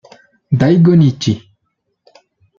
Daigo Nishi